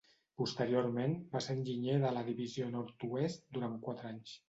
Posteriorment, va ser enginyer de la divisió nord-oest durant quatre anys